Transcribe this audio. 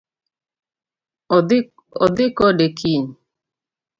Odhi kode kiny